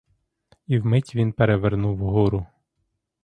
І вмить він перевернув гору.